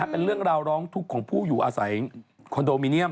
เป็นเรื่องราวร้องทุกข์ของผู้อยู่อาศัยคอนโดมิเนียม